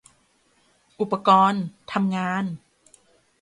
อุปกรณ์ทำงาน